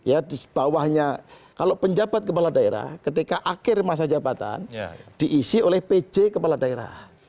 ya di bawahnya kalau penjabat kepala daerah ketika akhir masa jabatan diisi oleh pj kepala daerah